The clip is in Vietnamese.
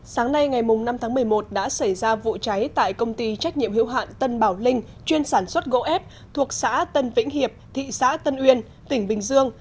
sáng nay ngày năm tháng một mươi một đã xảy ra vụ cháy tại công ty trách nhiệm hiệu hạn tân bảo linh chuyên sản xuất gỗ ép thuộc xã tân vĩnh hiệp thị xã tân uyên tỉnh bình dương